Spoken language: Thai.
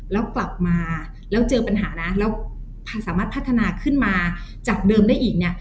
แล้วกลับมาแล้วเจอปัญหานะแล้วสามารถพัฒนาขึ้นมาจากเดิมได้อีกเนี่ย